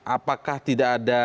apakah tidak ada